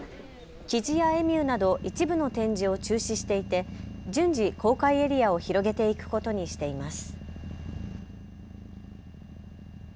キジやエミューなど一部の展示を中止していて順次、公開エリアを広げていくことにしています。